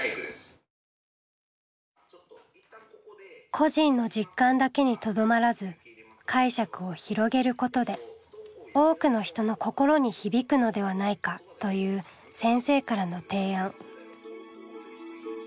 個人の実感だけにとどまらず解釈を広げることで多くの人の心に響くのではないかという先生からの提案。